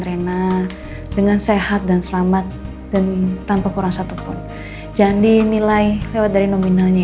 arena dengan sehat dan selamat dan tanpa kurang satupun jangan dinilai lewat dari nominalnya